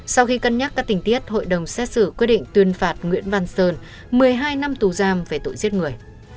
sau khi cân nhắc các tình tiết hội đồng xét xử quyết định tuyên phạt nguyễn văn sơn một mươi hai năm tù giam về tội giết người